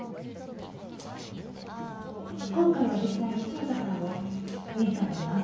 今回は実際に潮田さんをウィンター号に会わせてみます。